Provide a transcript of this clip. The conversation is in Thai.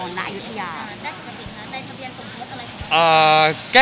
ตอนนี้คือใช้ธุมชนหน้ายุทิยา